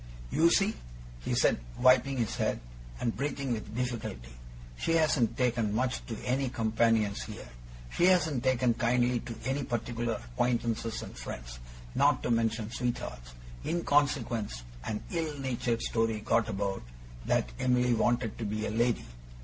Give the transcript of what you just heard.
'You see,' he said, wiping his head, and breathing with difficulty, 'she hasn't taken much to any companions here; she hasn't taken kindly to any particular acquaintances and friends, not to mention sweethearts. In consequence, an ill natured story got about, that Em'ly wanted to be a lady.